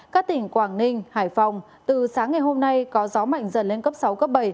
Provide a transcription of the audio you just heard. các tỉnh quảng ninh hải phòng từ sáng ngày hôm nay có gió mạnh dần lên cấp sáu cấp bảy